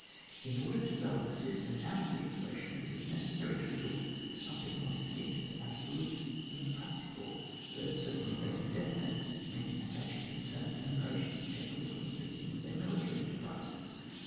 In order to develop a system out of the expression, it was necessary to resort to something more distinct and absolute than the practical, but certainly very indefinite, meaning attaching to the term in the narrations of generals when speaking of their military enterprises.